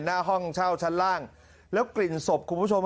หน้าห้องเช่าชั้นล่างแล้วกลิ่นศพคุณผู้ชม